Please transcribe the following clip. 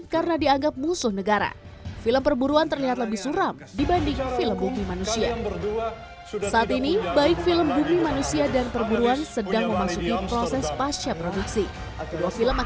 kita mengambil rumah pilih